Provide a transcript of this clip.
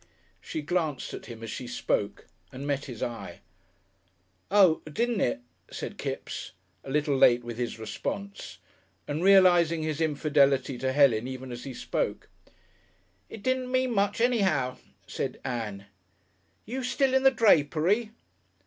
She glanced at him as she spoke and met his eye. "Oh, didn't it!" said Kipps, a little late with his response, and realising his infidelity to Helen even as he spoke. "It didn't mean much anyhow," said Ann. "You still in the drapery?"